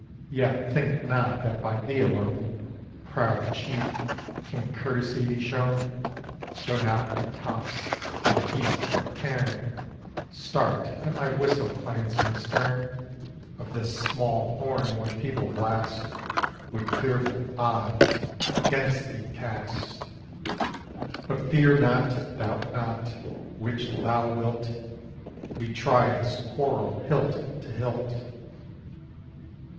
Yet think not that by thee alone, Proud Chief! can courtesy be shown; Though not from copse, or heath, or cairn, Start at my whistle clansmen stern, Of this small horn one feeble blast Would fearful odds against thee cast. But fear not doubt not which thou wilt We try this quarrel hilt to hilt."